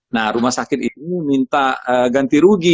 nah rumah sakit itu minta ganti rugi